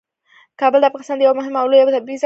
کابل د افغانستان یوه مهمه او لویه طبیعي ځانګړتیا ده.